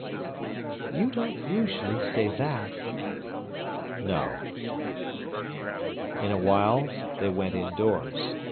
"You don't usually say that." "No." In a while they went indoors.